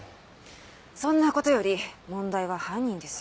そんな事より問題は犯人ですよ。